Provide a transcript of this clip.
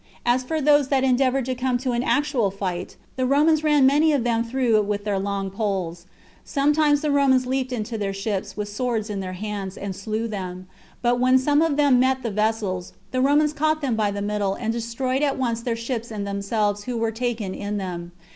As for those that endeavored to come to an actual fight, the Romans ran many of them through with their long poles. Sometimes the Romans leaped into their ships, with swords in their hands, and slew them; but when some of them met the vessels, the Romans caught them by the middle, and destroyed at once their ships and themselves who were taken in them.